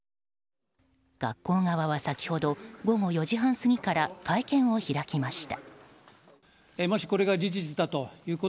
学校側は先ほど午後４時半過ぎから会見を開きました。